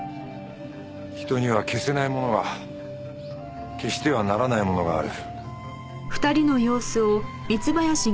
人には消せないものが消してはならないものがある。